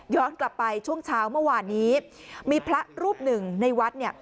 กลับไปช่วงเช้าเมื่อวานนี้มีพระรูปหนึ่งในวัดเนี่ย